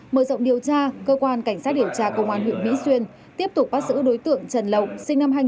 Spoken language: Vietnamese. mở rộng điều tra cơ quan cảnh sát điều tra công an huyện mỹ xuyên tiếp tục bắt giữ đối tượng trần lộng